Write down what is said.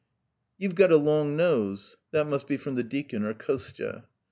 "You've got a long nose." That must be from the deacon or Kostya.